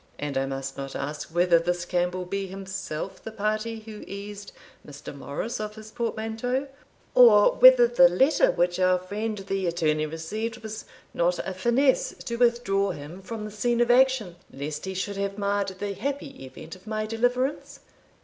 "And I must not ask whether this Campbell be himself the party who eased Mr. Morris of his portmanteau, or whether the letter, which our friend the attorney received, was not a finesse to withdraw him from the scene of action, lest he should have marred the happy event of my deliverance?